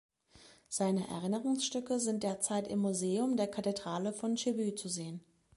Seine Erinnerungsstücke sind derzeit im Museum der Kathedrale von Cebu zu sehen.